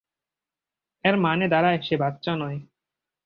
এর মানে দাঁড়ায় সে বাচ্চা নয়।